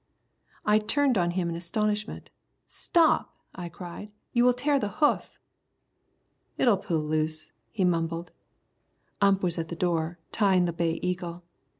I turned on him in astonishment. "Stop," I cried, "you will tear the hoof." "It'll pull loose," he mumbled. Ump was at the door, tying the Bay Eagle.